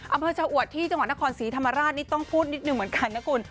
อำเภอชะอวดที่จังหวัดนครศรีธรรมราชนี่ต้องพูดนิดหนึ่งเหมือนกันนะคุณ